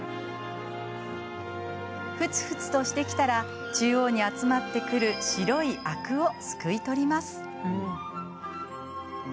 ふつふつとしてきたら中央に集まってくる白いアクをすくい取ります。